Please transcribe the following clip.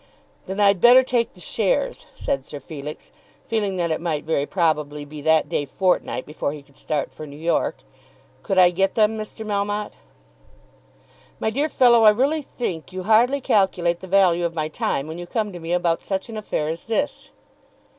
"Then I'd better take the shares," said Sir Felix, feeling that it might very probably be that day fortnight before he could start for New York. "Could I get them, Mr. Melmotte?" "My dear fellow, I really think you hardly calculate the value of my time when you come to me about such an affair as this."